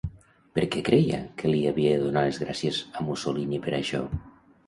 Per què creia que li havia de donar les gràcies a Mussolini per això?